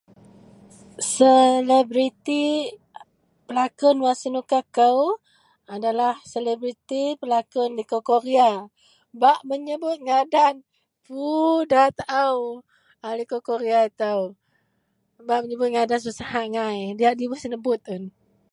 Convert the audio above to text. selebriti pelakon wak senuka kou adalah selebriti pelakon liko korea, bak meyebut ngadan fullll da taau a liko korea itou bak meyebut ngadan susah angai diak dibuh senebut un